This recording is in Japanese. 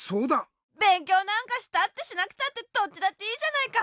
べんきょうなんかしたってしなくたってどっちだっていいじゃないか！